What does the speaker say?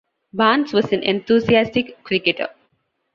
Barnes was an enthusiastic cricketer.